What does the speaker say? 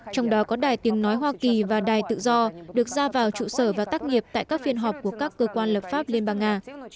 trong đó có đài tiếng nói hoa kỳ và đài tự do được ra vào trụ sở và tác nghiệp tại các phiên họp của các cơ quan lập pháp liên bang nga